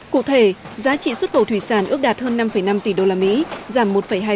cụ thể giá trị xuất khẩu thủy sản ước đạt hơn năm năm tỷ đô la mỹ giảm một hai